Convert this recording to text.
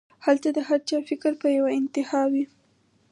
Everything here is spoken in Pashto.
هلته د هر چا فکر پۀ يوه انتها وي